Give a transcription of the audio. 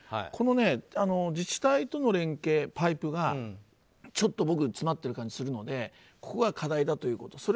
この自治体との連携、パイプが詰まっている感じがするのでここが課題だということ。